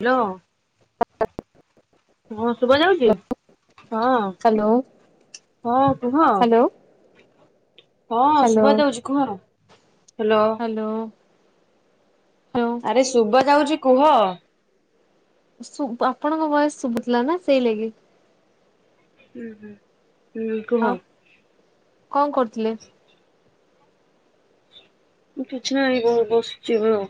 Hello. ହୁ। ଶୁଭ ଯାଉଛି ହଁ ହ୍ୟାଲୋ ହଁ କୁହ। ହ୍ୟାଲୋ ହଁ ହ୍ୟାଲୋ ସୁଭାଯାଉଛି କୁହ। Hello hello. ହ୍ୟାଲୋ ଆରେ ଶୁଭ ଯାଉଛି। କୁହ ଆପଣଙ୍କ ଭଏସ ଶୁଭୁଥିଲା ନା ସେଇ ଲାଗି ହୁଁ ହୁଁ। ହୁଁ କୁହ ଆଉ କଣ କରୁଥିଲେ? କିଛି ନାହିଁ ବସିଛି ମୁଁ।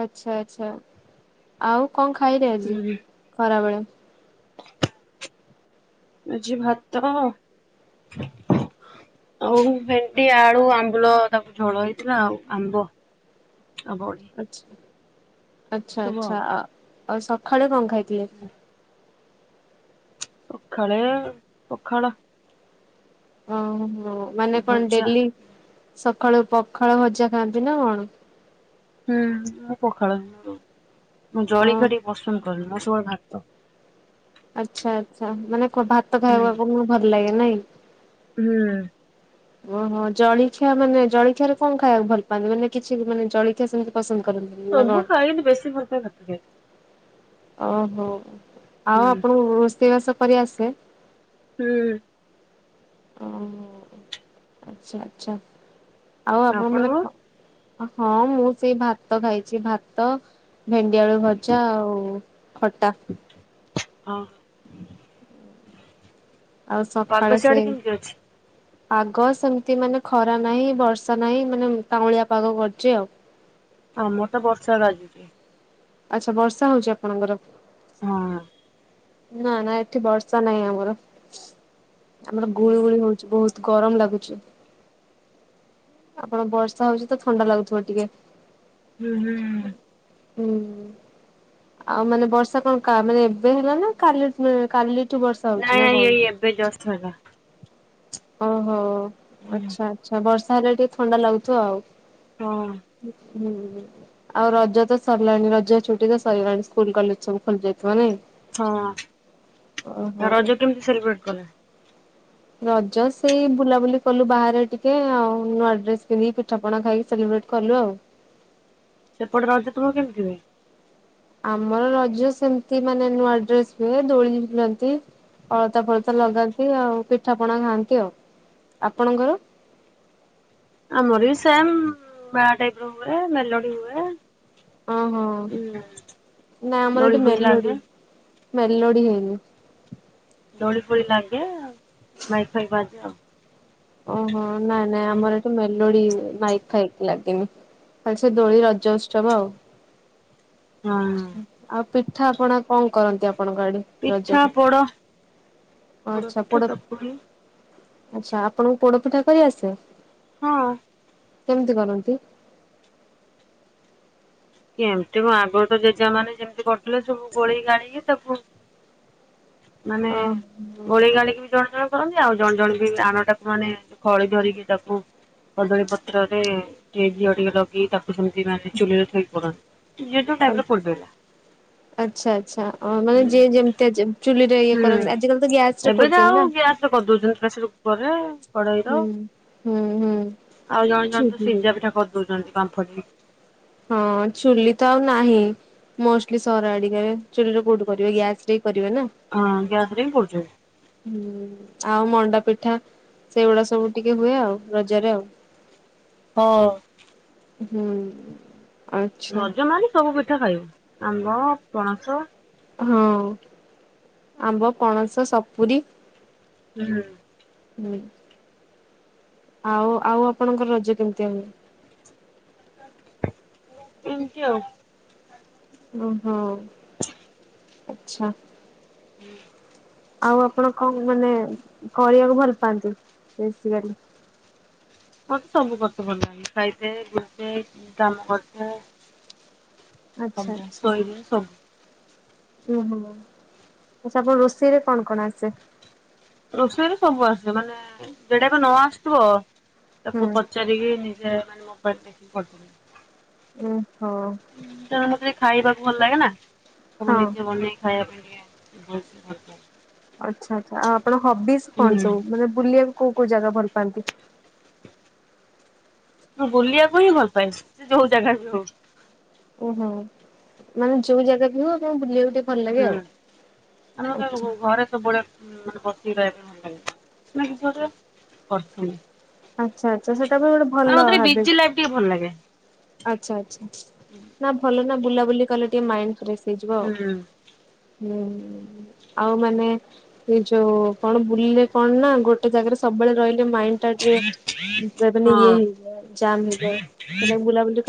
ଆଚ୍ଛା ଆଚ୍ଛା ଆଉ? କଣ ଖାଇଲ ଆଜି ହୁଁ ଖରାବେଳେ? ଆଜି ଭାତ ଆଉ ଭେଣ୍ଡି ଆଳୁ ଆମ୍ବୁଲ ତାକୁ ଝୋଳ ହେଇଥିଲା ଆଉ ଆମ୍ବ। ଆଉ ବଡି ଆଚ୍ଛା। ଆଚ୍ଛା ସବୁ ଆଉ ଆଚ୍ଛା ଆ ଆଉ ସକାଳେ କଣ? ଖାଇଥିଲ? ସଖାଳେ ପଖାଳ। ହଁ। ହଁ ମାନେ କଣ ଭଜା ଡେଲି ସ ସଖାଳୁ ପଖାଳ ଭଜା ଖାଆନ୍ତି ନା କଣ? ହୁଁ ମୁଁ ପଖାଳ [unintelligible] ମୁଁ ଓ ଜଳିଖିଆ ଟିକେ ପସନ୍ଦ କରୁନି। ଟୋଳ ଭାତ ଆଚ୍ଛା ଆଚ୍ଛା ମାନେ କଁ ଭାତ ହୁଁ ଖାଇବା ପାଇଁ ତମକୁ ଭଲ ଲାଗେ? ନାଇଁ। ହୁଁ। ଓହୋ ଜଳଖିଆ ମାନେ ଜଳଖିଆରେ କଣ ଖାଇବାକୁ ଭଲ ପାଆନ୍ତି ମାନେ କିଛି ମାନେ ଜଳଖିଆ ସେମିତି ପସନ୍ଦ? କରନ୍ତିନି ନା ସବୁ କଣ? ଖାଇ ବେଶୀ [unintelligible] ଓହୋ। ଆଉ ହୁଁ ଆପଣଙ୍କୁ ରୋଷେଇ ବାସ? କରି ଆସେ। ହୁଁ। ଓ ଆଚ୍ଛା ଆଚ୍ଛା। ଆଉ ଆପଣ ମାନେ ଆପଣଙ୍କ? କ ହଁ ମୁଁ ସେଇ ଭାତ ଖାଇଛି ଭାତ ଭେଣ୍ଡିଆଳୁ ଭଜା ଆଉ ଖଟା। ଓହୋ ଆଉ ସକାଳେ ପାଗ ସେ ସିଆଡେ କେମିତି ଅଛି? ପାଗ ସେମିତି ମାନେ ଖରା ନାହିଁ ବର୍ଷା ନାହିଁ ମାନେ କାଉଁଳିଆ ପାଗ କରିଛି ଆଉ। ଆମର ତ ବର୍ଷା ରାଜୁଛି। ଆଚ୍ଛା ବର୍ଷା ହଉଛି ଆପଣଙ୍କର? ହଁ। ନା ନା ଏଠି ବର୍ଷା ନାହିଁ ଆମର। ଆମର ଗୁଳୁଗୁଳି ହଉଛି ବହୁତ୍। ଗରମ ଲାଗୁଚି। ଆପଣ ବର୍ଷା ହଉଛି ତ ଥଣ୍ଡା ଲାଗୁଥିବ ଟିକେ। ହୁଁ ହୁଁ ହୁଁ। ହୁଁ ହୁଁ। ଆଉ ମାନେ ବର୍ଷା କଣ କା ମାନେ ଏବେ ହେଲା ନା କାଲି କାଲି। ନାଇଁ ନାଇଁ ଏଇ ଏବେ ଜଷ୍ଟ ହେଲା। ଓହୋ। ହୁଁ। ଆଚ୍ଛା ଆଚ୍ଛା ବର୍ଷା। ତାହେଲେ ଟିକେ ଥଣ୍ଡା ଲାଗୁିଥିବ ଆଉ। ହଁ। ହୁଁ ଆଉ ରଜ ତ ସରିଲାଣି ରଜ ଛୁଟି ତ ସରିଲାଣି ସ୍କୁଲ କଲେଜ ସବୁ ଖୋଲି ଯାଇଥିବ ନାଇଁ? ହଁ ଓହୋ। ରଜ କେମିତି ସେଲିବ୍ରେଟ କଲେ? ରଜ ସେଇ ବୁଲାବୁଲି କଲୁ ବାହାରେ ଟିକେ ଆଉ ନୂଆ ଡ୍ରେସ ପିନ୍ଧିକି ପିଠା ପଣା ଖାଇକି ସେଲିବ୍ରେଟ କଲୁ ଆଉ। ସେପଟେ ରଜ ସବୁ କେମିତି ହୁଏ? ଆମର ରଜ ସେମତି ମାନେ ନୂଆ ଡ୍ରେସ ହୁଏ ଦୋଳି ରେ ଝୁଲନ୍ତି। ଅଳତା ଫଳତା ଲଗାନ୍ତି ଆଉ ପିଠା ପଣା ଖାଆନ୍ତି ଆଉ ଆପଣଙ୍କର? ଆମର ବି ସେମ୍ ବାହାଘର ଟାଇପ ର ହୁଏ ମେଲୋଡି ହୁଏ। ଓ ହୋ ହୁଁ। ନା ଆମର ଦୋଳି ଏଠି ଫୋଳି ଲାଗେ ମେଲୋଡି। ମେଲୋଡ଼ି ହୁଏନି। ଦୋଳି ଫୋଳି ଲାଗେ ମାଇକ ଫାଇକ ବାଜେ ଆଉ। ଓହୋ ନାଇଁ ନାଇଁ ହୁଁ। ଆମର ଏଠି ମେଲୋଡି ମାଇକ ଫାଇକ୍ ଲାଗେ। ଖାଲି ସେ ଦୋଳି ରଜ ଉତ୍ସବ ଆଉ। ହଁ ଆପ ପିଠା ଆପଣ କଣ କରନ୍ତି? ଆପଣଙ୍କ ଆଡେ ପିଠା ରଜରେ? ପୋଡ ପୋଡ ଆଚ୍ଛା ପୋଡ ପିଠା ତା ପରେ ଆଚ୍ଛା। ଆପଣଙ୍କୁ ପୋଡପିଠା କରି ଆସେ? ହଁ। କେମିତି କରନ୍ତି? ଏମତି କଣ ଆଗରୁ ତ ଜେଜେ ମାନେ ଯେମିତି କରିଥିଲେ ସବୁ ଗୋଳେଇ ଗାଳିକି ତାକୁ ମାନେ ଅ ଗୋଳେଇ ଗାଳେଇକି ବି ଜଣେ ଜଣେ କରନ୍ତି ଆଉ ଜଣେ ଜଣେ ବି ଆଣ ଟାକୁ ମାନେ ଖଳି ଧରିକି ତାକୁ କଦଳୀ ପତ୍ରରେ ଘିଅ ଟିକେ ଲଗେଇ ତାକୁ ସେମିତି ମାନେ ଚୁଲିରେ ଥୋଇ କରନ୍ତି [inaudible] ଆ ଟାଇପ୍ ର କରିପାରିଲା ଆଚ୍ଛା ଆଚ୍ଛା ମାନେ ଯିଏ ଯେମିତି ଚୁଲି ରେ ହୁଁ ଏବେ ତ କରୁଛନ୍ତି ଆଉ ନା। ଗ୍ୟାସରେ କରିଦଉଛନ୍ତି ପେସର କୁକର ଆଉ ହୁଁ ହୁଁ ହୁଁ ଜଣେ ଜଣେ ତ ଚୁଲିରେ ସିଝା ପିଠା କରିଦଉଛନ୍ତି। ପଢିବ [inaudible] ହଁ ଚୁଲି ତ ଆଉ ନାହିଁ ମୋଷ୍ଟଲି ସହର ଆଡିକରେ ଚୁଲି କୋଉଠୁ କରିବେ ଗ୍ୟାସ ରେ। କରିବେ ନା। ହଁ ଗ୍ୟାସ ରେ ହିଁ ପୋଡୁଛନ୍ତି। ଆଉ ମଣ୍ଡା ପିଠା ସେଇଗୁଡା ସବୁ ଟିକେ ହୁଏ, ଆଉ ରଜରେ। ହଁ। ହୁଁ। ଆଚ୍ଛା ରଜ ମାନେ ସବୁ ପିଠା ଖାଇବୁ। ଆମ୍ବ, ପଣସ। ହଁ ଆମ୍ବ, ପଣସ, ସପୁରୀ। ହୁଁ। ଆଉ, ଆଉ ଆପଣଙ୍କର ରଜ କେମିତି ହୁଏ? ଏମତି ଆଉ। ଓ ହୋ ଆଚ୍ଛା। [inaudible] ଆଉ ଆପଣ କଣ ମାନେ କରିବାକୁ ଭଲ ପାଆନ୍ତି? [unintelligible] ଶୋଇବ ସବୁ। ଆଚ୍ଛା ଓ ହୋ ଆଛା, ଆପଣ ରୋଷେଇ ରେ କଣ କଣ ଆସେ। ରୋଷେଇରେ ସବୁ ଆସେ, ମାନେ ଯେଟାବି ନ ଆସୁଥିବ। ହୁଁ ତାକୁ ପଚାରିକି ନିଜେ। [unintelligible] ଓ ହୋଃ। ତେଣୁ ମତେ ଟିକେ ଖାଇବାକୁ ଭଲ ଲାଗେ ନା? ତମ ନିଜେ ବନେଇ ଖାଇବା ପାଇଁ। [unintelligible] ଆଚ୍ଛା ଆଛା। ଆଉ ଆପଣ ହବିସ୍ ହୁଁ କଣ ସବୁ? ମାନେ ବୁଲିବାକୁ। କୋଉ କୋଉ ଜାଗା ଭଲ ପାଆନ୍ତି? ମୁଁ ବୁଲିବାକୁ ହିଁ ଭଲ ପାଏ। ସେ ଯୋଉ ଜାଗା ବି ହଉ। ଓହୋ ମାନେ ଯୋଉ ଜାଗା ବି ହେଉ, ଆପଣ ବୁଲିବାକୁ ଟିକେ। ଭଲ ଲାଗେ ହୁଁ। ଆଉ। ଆମର ଆଚ୍ଛା ତ ଘରେ ସବୁବେଳେ। [unintelligible] ଆଚ୍ଛା ଆଚ୍ଛା। ସେଟା ବି ଗୋଟେ ମାନେ ଭଲ ମତେ ଟିକେ ହାବିଟ। ବିଜି ଲାଇଫ ଟିକେ ଭଲ ଲାଗେ। ଆଛା ଆଛା। ନା ଭଲ ନା। ବୁଲାବୁଲି କଲେ ଟିକେ ମାଇଣ୍ଡ ଫ୍ରେଶ। ହେଇଜିଵ। ହୁଁ, ଆଉ ମାନେ ଏ ଯୋଉ କଣ ବୁଲିଲେ କଣ ନା ଗୋଟେ ଜାଗାରେ ସବୁବେଳେ ରହିଲେ ମାଇଣ୍ଡ। ହଁ। [unintelligible]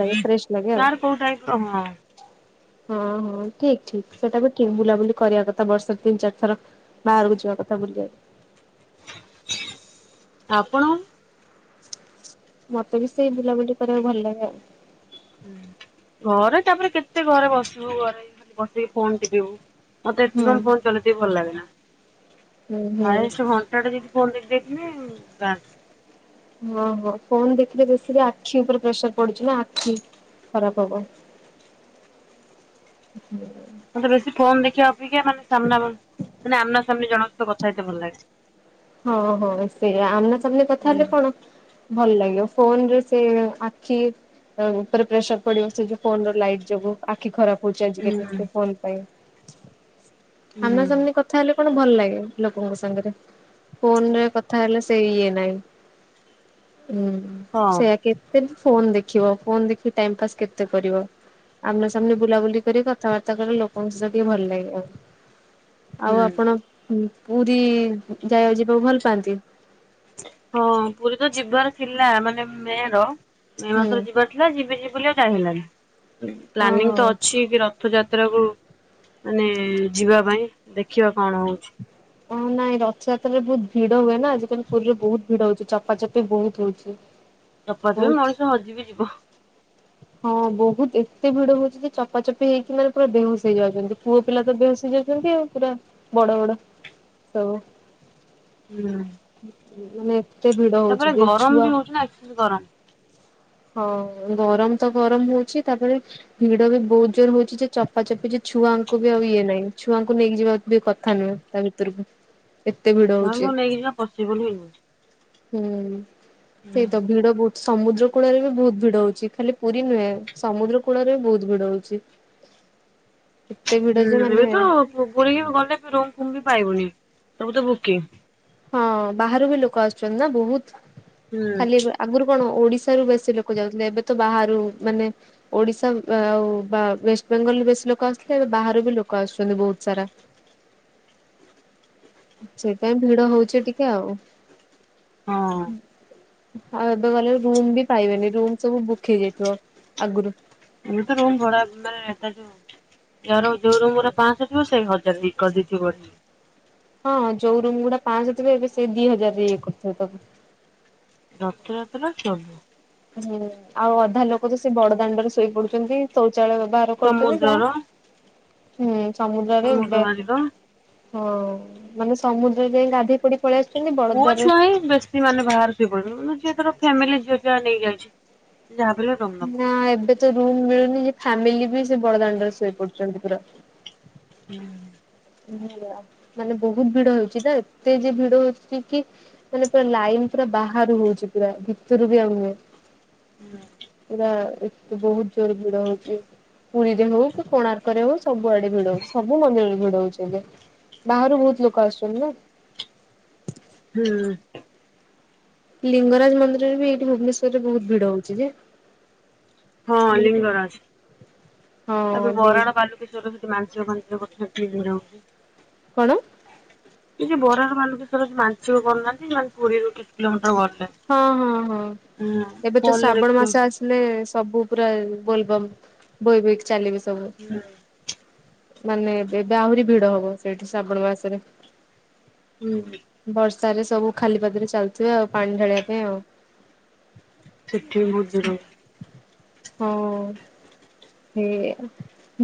ଲାଗେ ଫ୍ରେଶ ଲାଗେ ଆଉ। କୋଉଠା କ [unintelligible] ହଁ, ହଁ, ଠିକ ଠିକ। ସେଟା ବି ଠିକ। ବୁଲାବୁଲି କରିବା କଥା। ବର୍ଷରେ ତିନି, ଚାରି ଥର ବାହାରକୁ ଯିବା କଥା ବୁଲିବାକୁ। ଆପଣ। ମତେ ବି ସେଇ ବୁଲାବୁଲି କରିବାକୁ ଭଲ ଲାଗେ ଆଉ। ହୁଁ ଘରେ ତାପରେ କେତେ ଘରେ ବସିବୁ ଘରେ ହି ଖାଲି ବସିକି ଫୋନ ଟିପିବୁ। ମତେ ଏତେ ହୁଁ ସମ ଫୋନ ଚଲେଇତେ ବି ଭଲ ଲାଗେନା ହୁଁ ହୁଁ। ହାଏଷଟ ଘଣ୍ଟାଟେ ଯଦି ଫୋନ ଦେ ଦେଖିନା ବାସ୍ ହଁ ହଁ ଫୋନ୍ ଦେଖିଲେ ବେଶୀରେ ଆଖି ଉପରେ ପ୍ରେସର ପଡୁଚି ନା ଆଖି ଖରାପ ହବ। ମୋତେ ବେଶି ଫୋନ ଦେଖିବା ଦେଖିଆ ମାନେ ସାମନା ବସ୍‌ ମାନେ ଆମନା ନା ସେମିତି ଜଣଙ୍କ ସହିତ କଥା ହେଇତେ ଭଲ ଲାଗେ। ହଁ ହଁ ସେୟା ଆମନା ସାମନା କଥା ହୁଁ ହେଲେ କଣ ଭଲ ଲାଗିବ। ଫୋନରେ ସେ ଆଖି ଅ ଉପରେ ପ୍ରେସର ପଡିବ ସେ ଯୋଉ ଫୋନର ଲାଇଟ ଯୋଗୁ ଆଖି ଖରାପ ପୁଚାରଚି ହୁଁ କେତେ ହୁଁ ସେ ଫୋନ ପାଇଁ। ଆମନା ସାମନେ କଥା ହେଲେ କଣ ଭଲ ଲାଗେ ଲୋକଙ୍କ ସାଙ୍ଗରେ? ଫୋନ ରେ କଥା ହେଲେ ସେଇ ଇଏ ନାହିଁ। ହୁଁ ହଁ ସେୟା କେତେ ଫୋନ ଦେଖିବ ଫୋନ ଦେଖି ଟାଇମ ପାସ୍ କେତେ କରିବ ଆମନା ସାମନେ ବୁଲା ବୁଲି କରି କଥାବାର୍ତ୍ତା କରି ଲୋକଙ୍କ ସହିତ ଟିକେ ଭଲ ଲାଗିବ। ଆଉ ହୁଁ। ଆପଣ ହୁଁ। ପୁରୀ ବୁ ଜାଗାକୁ ଯିବାକୁ ଭଲ ପାଆନ୍ତି। ହଁ ପୁରୀ ତ ଯିବାର ଥିଲା ମାନେ ମେର ମେ ହୁଁ। ମାସରେ ଯିବାର ଥିଲା ଯିବି ଯିବ୍ ବୁଲିଆକୁ‌ ଯାଇ ହେଲାନି। ପ୍ଲାନିଂ ଓହୋ। ତ ଅଛି କି ରଥଯାତ୍ ତ୍ରାକୁୁ ମାନେ ଯିବା ପାଇଁ ଦେଖିବା କଣ ହଉଛି? ହଁ ନାଇଁ ରଥଯାତ୍ରାରେ ବହୁତ ଭିଡ ହୁଏ ନା ଆଜି କାଲି ପୁରୀରେ ବହୁତ ଭିଡ ହଉଛି ଚପାଚପି ବହୁତ୍ ହଉଛି। ଚପାତେ ବି ବହୁତ ମଣିଷ ହଜି ବି ଯିବ। ହଁ ବହୁତ ଏତେ ଭିଡ ହଉଛି ଯେ ଚପାଚପି ହେଇକିନା ବେହୋସ ହେଇଯାଉଛନ୍ତି। ପୁଅପିଲା ତ ବେହୋସ ହୋଇଯାଉଛନ୍ତି ଆଉ ପୁରା ବଡ଼ ବଡ଼ ହୁଁ ଉ ଉ ମାନେ ଏତେ ଭିଡ ହଉଛି ତାପରେ ଯେ ଗରମ ଛୁଆ ବି ହଉଛି ନା ଏକ୍ସେସ ଗରମ ହଁ ଗରମ ତ ଗରମ ହଉଛି ତାପରେ ଭିଡ ବି ବହୁତ ଜୋର ହଉଛି ଯେ ଚପା ଚପି ଯେ ଛୁଆଙ୍କୁ ବି ଆଉ ଇଏ ନାହିଁ ଛୁଆଙ୍କୁ ନେଇକି ଯିବାକୁ ବି କଥା ନୁହେଁ ତା ଭିତରକୁ। ଏତେ ଭିଡ ହଉଛି। ସେ ବୋଲି ହୁଁ। ସେଇ ତ ଭିଡ ଭଉତ୍‌ ସମୁଦ୍ର କୂଳରେ ବି ବହୁତ ଭିଡ ହଉଛି ଖାଲି ପୁରୀ ନୁହେଁ ସମୁଦ୍ର କୂଳରେ ବହୁତ ଭିଡ ହଉଛି। ଏତେ ଭିଡ ହୁଁ ଯେ ମାନେ ଏବେ ତ ପୁ ପୁରୀ କି ବି ଗଲେ ବି ରୁମ ଫୁମ ବି ପାଇବୁନି। ସବୁ ତ ବୁକିଂ। ହଁ ବାହାରୁ ବି ଲୋକ ଆସୁଛନ୍ତି ନା ବହୁତ। ହୁଁ ଖାଲି ଆଗୁରୁ କଣ ଓଡ଼ିଶାରୁ ବେଶୀ ଲୋକ ଯାଉଥିଲେ ଏବେ ତ ବାହାରୁ ମାନେ ଓଡିଶା ଆଉ ବା ୱେଷ୍ଟ ବେଙ୍ଗଲରୁ ବେଶୀ ଲୋକ ଆସୁଥିଲେ ଏବେ ବାହାରୁ ବି ଲୋକ ଆସୁଛନ୍ତି ବହୁତ ସାରା। ସେଇପାଇ ଭିଡ ହଉଛି ଟିକେ ଆଉ। ହଁ। ଆଉ ଏବେ ଗଲେ ରୁମ ବି ପାଇବେନି ରୁମ ସବୁ ବୁକ୍ ହେଇଯାଇଥିବ ଆଗରୁ। ଏବେତ ରୁମ୍ ଭଡା ମାନେ ଯୋଉ ଯୋଉ ରୁମ୍ ଗୁରା ପାଆଁଶ ଥିବ ସେଇ ହଜାର କରିଦେଇଥିବ ବଢି ହଁ ଯୋଉ ରୁମ୍ ଗୁଡା ପାଆଁଶ ଥିବ ଏବେ ସେ ଦି ହଜାର ରେ ଇଏ କରୁଥିବେ ତାକୁ। ରଥଯାତ୍ରା। [unintelligible] ହୁଁ ଆଉ ଅଧା ଲୋକ ତ ସେ ବଡ ଦାଣ୍ଡରେ ଶୋଇ ପଡୁଛନ୍ତି [unintelligible] ବ୍ୟବହାର କରୁଛନ୍ତି ଯା। ସମୁଦ୍ରର ହୁଁ। ସମୁଦ୍ରରେ ସମୁଦ୍ର ବେ ବାଲିର ହଁ ମାନେ ସମୁଦ୍ରରେ ଯାଇ ଗାଧେଇ ପଡି ପଳେଇ ଆସୁଛନ୍ତି ପୁଅ ବଡଦାରେ ଛୁଆ ହିଁ ବେଶୀ ମାନେ ବାହାର ଯ ପଡିବ ମାନେ ଯିଏ ତାର ଫ୍ୟାମିଲୀ [unintelligible] ନା ଏବେ ତ ରୁମ୍ ମିଳୁନି। ଫ୍ୟାମିଲି ବି ସେ ବଳଦାଣ୍ଡରେ ଶୋଇ ପଡୁଛନ୍ତି ପୁରା [unintelligible] ମାନେ ବହୁତ ଭିଡ ହଉଛି ନା ଏତେ ଯ ଭିଡ ହଉଛି କି ମାନେ ପୁରା ଲାଇନ ପୁରା ବାହାରୁ ହଉଚି ପୁରା ଭିତରୁ ବି ଆଉ ନୁହେଁ। [unintelligible] ବହୁତ ଜୋରରେ ଭିଡ ହଉଛି ପୁରୀରେ ହଉ କି କୋଣାର୍କ ରେ ହଉ ସବୁଆଡେ ଭିଡ ହଉଛି ସବୁ ମନ୍ଦିରରେ ଭିଡ ହଉଛି। ବାହାରୁ ବହୁତ ଲୋକ ଆସୁଛନ୍ତି ନା। ହୁଁ। ଲିଙ୍ଗରାଜ ମନ୍ଦିରରେ ବି ଏଇଠି ଭୁବନେଶ୍ଵରରେ ବହୁତ ଭିଡ ହଉଛି ଯେ। ହଁ ମାନେ ଲିଙ୍ଗରାଜ ହଁ ଆବେ ଲି ବରାଳବାଲୁକେଶ୍ୱର ସେଠି ମାନସିକ [unintelligible] କଣ? ଏ ଯଉ ବରାଳବାଲୁକେଶ୍ୱରରେ ମାନସିକ କରୁନାହାନ୍ତି ନହେଲେ ପୁରୀ ରୁ କିଛି ଘଣ୍ଟା ଗଲେ ହଁ ହଁ ହଁ ହୁଁ ଏବେ ତ ଫୋନରେ ଶ୍ରାବଣ ମାସ ଦେଖୁଥିବୁ ଆସିଲେ ସବୁ ପୁରା ବୋଲବମ୍ ବହି ବହିକି ଚାଲିବେ ସବୁ। [inaudible] ମାନେ ଏବେ ଆହୁରି ଭିଡ ହବ ସେଇଠି ଶ୍ରାବଣ ମାସରେ। ହୁଁ। ତାହେଲେ ସବୁ ଖାଲି ପାଦରେ ଚାଲୁଥିବେ ଆଉ ପାଣି [unintelligible] ପାଇଁ ଆଉ ସେଠିବି ବହୁତ୍ ଭିଡ। ହଁ ହେ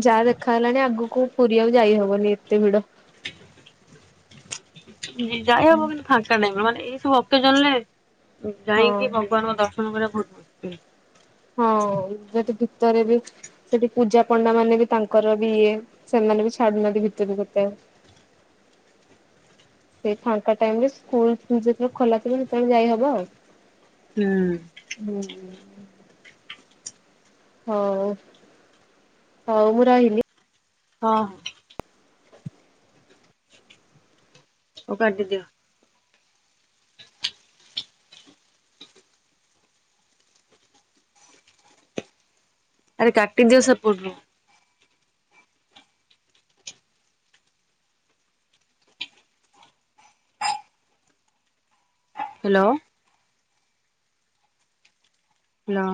ଯାହା ଦେଖା ହେଲାଣି, ଆଗକୁ ପୁରୀ ଆଉ ଯାଇ ହବନି ଏତେ ଭିଡ। ଯାାଇ ହବ କିନ୍ତୁ ଫାଙ୍କା ନାହିଁ ମାନେ। ଏଇ ସପ୍ତ ଜଲେ। ହଁ ଯାଇକି ଭଗବାନଙ୍କ ଦର୍ଶନ କରିବା। [inaudible] ହଁ ସେଠି ଭିତରେ ବି ସେଠି ପୂଜାପଣ୍ଡା ମାନେ ବି ତାଙ୍କର ବି ଇଏ ସେମାନେ ବି ଛାଡୁନାହାନ୍ତି ଭିତରୁ କେତେ? ସେ ଫାଙ୍କାଟାଇମରେ ସ୍କୁଲ ଯେତେବେଳେ ଖୋଲାଥିବ ସେତେବେଳେ ଯାଇହବ ଆଉ। ହୁଁ। ହୁଁ ଉ। ହଉ ହଉ ମୁଁ ରହିଲି। ହଁ ହଁ। ହଉ କାଟି ଦିଅ। ଆରେ କାଟି ଦିଅ ସେପଟରୁ। ହାଲୋ। ହାଲୋ।